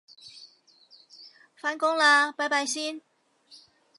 返工喇拜拜先